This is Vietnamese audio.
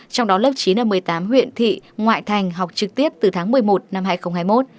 trong đó lớp chín ở một mươi tám huyện thị ngoại thành học trực tiếp từ tháng một mươi một năm hai nghìn hai mươi một